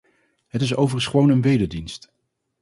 Het is overigens gewoon een wederdienst.